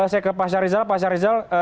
saya ke pak syarizal